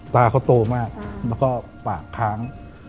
ตาเขาโตมากแล้วก็ปากค้าง